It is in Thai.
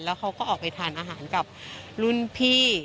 แล้วเขาก็ออกไปทานอาหารกับรุ่นพี่